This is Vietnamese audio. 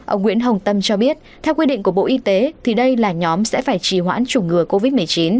ông nguyễn hồng tâm cho biết theo quy định của bộ y tế thì đây là nhóm sẽ phải trì hoãn chủng ngừa covid một mươi chín